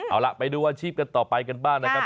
เอาล่ะไปดูอาชีพกันต่อไปกันบ้างนะครับ